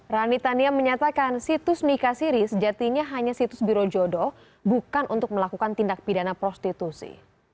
rani tania menyatakan situs nikah siri sejatinya hanya situs biro jodoh bukan untuk melakukan tindak pidana prostitusi